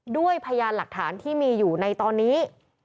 พยานหลักฐานที่มีอยู่ในตอนนี้